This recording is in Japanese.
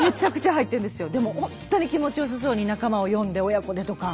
でも本当に気持ちよさそうに仲間を呼んで親子でとか。